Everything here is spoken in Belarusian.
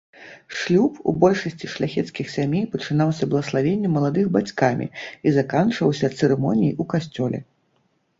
Шлюб у большасці шляхецкіх сямей пачынаўся блаславеннем маладых бацькамі і заканчваўся цырымоніяй у касцёле.